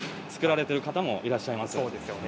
形を想像して作られている方がいらっしゃいます。